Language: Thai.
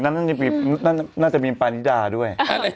น่าจะมีปานิดาด้วย